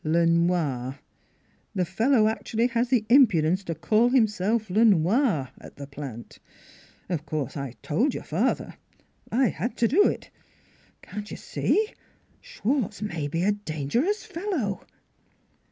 "" Le Noir. The fellow actually has the impu dence to call himself Le Noir at the Plant. ... Of course, I told your father. I had to do it. ... Can't you see? Schwartz may be a dan gerous fellow."